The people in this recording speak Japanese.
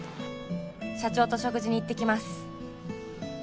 「社長と食事に行ってきます！」